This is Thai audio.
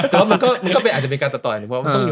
แต่มันก็อาจจะมีการตัดต่ออย่างนี้